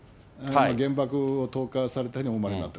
原爆を投下された日にお生まれになった。